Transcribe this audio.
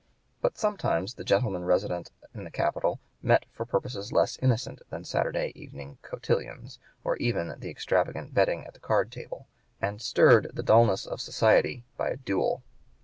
But sometimes the gentlemen resident in the capital met for purposes less innocent than Saturday evening cotillons, or even than extravagant betting at the card table, and stirred the dulness of society by a duel.